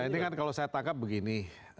ini kan kalau saya tangkap begini